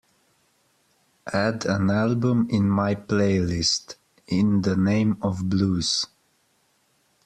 add an album in my playlist In The Name Of Blues